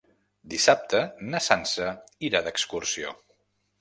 Dissabte na Sança irà d'excursió.